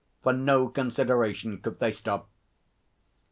For no consideration could they stop.